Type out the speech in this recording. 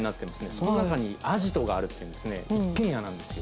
その中にアジトがあるっていうんですね一軒家なんですよ。